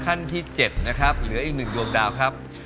ขั้นที่๗เหลืออีกหนึ่งดวงดาวครับ